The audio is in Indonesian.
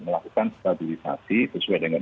melakukan stabilisasi sesuai dengan